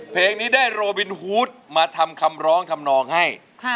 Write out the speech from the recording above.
เพลงนี้ได้โรบินฮูดมาทำคำร้องทำนองให้